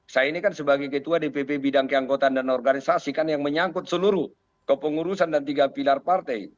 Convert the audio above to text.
saya ini kan sebagai ketua dpp bidang keangkotaan dan organisasi kan yang menyangkut seluruh kepengurusan dan tiga pilar partai